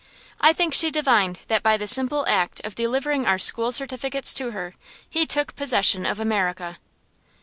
I think she divined that by the simple act of delivering our school certificates to her he took possession of America.